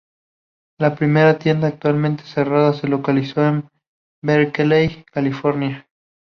La primera tienda, actualmente cerrada, se localizó en Berkeley, California.